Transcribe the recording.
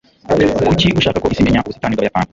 kuki ushaka ko isi imenya ubusitani bwabayapani